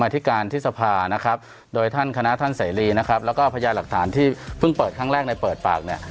ที่เพิ่งเปิดครั้งแรกในเปิดปากเนี่ย